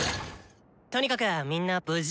とにかくみんな無事？